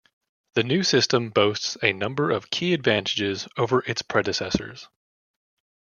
The new system boasts a number of key advantages over its predecessors.